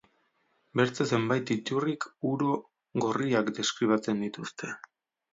Beste zenbait iturrik uro gorriak deskribatzen dituzte.